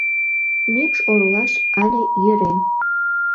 Мӱкш оролаш але йӧрем.